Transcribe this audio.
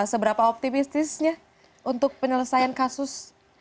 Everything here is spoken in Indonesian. seberapa optimistisnya untuk penyelesaian kasus